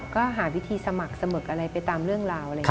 ก็หาวิธีสมัครสมกอะไรไปตามเรื่องราว